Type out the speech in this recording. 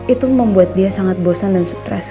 itu membuat dia sangat bosan dan stres